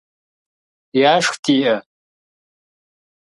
Яшх диӏэ?